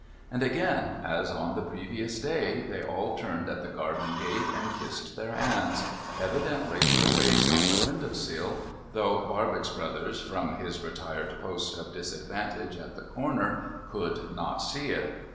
And again, as on the previous day, they all turned at the garden gate, and kissed their hands — evidently to the face on the window sill, though Barbox Brothers from his retired post of disadvantage at the corner could not see it.